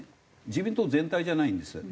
自民党全体じゃないんですよ。